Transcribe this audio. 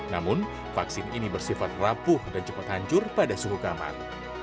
namun vaksin ini bersifat rapuh dan cepat hancur pada suhu kamar